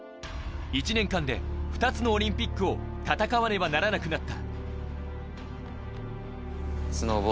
１年間で２つのオリンピックを戦わねばならなくなった。